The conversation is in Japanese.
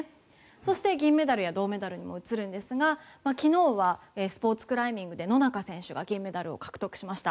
そして、銀メダルや銅メダルに移るんですが昨日はスポーツクライミングで野中選手が銀メダルを獲得しました。